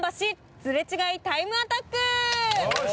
すれ違いタイムアタック」よし！